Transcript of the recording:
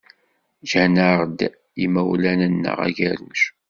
Ǧǧan-aɣ-d yimawlan-nneɣ agerruj.